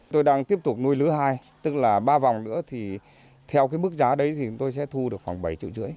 tôi đang tiếp tục nuôi lứa hai tức là ba vòng nữa thì theo cái mức giá đấy thì chúng tôi sẽ thu được khoảng bảy triệu rưỡi